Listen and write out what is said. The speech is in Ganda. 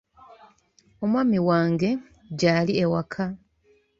Omwami wange gy'ali ewaka.